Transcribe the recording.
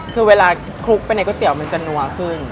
คือเวลาคลุกไปในก๋วมันจะนัวขึ้น